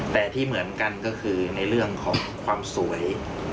แต่ที่เหมือนกันก็คือในเรื่องของความสวย